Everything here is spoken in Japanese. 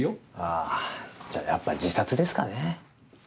あぁじゃやっぱ自殺ですかね？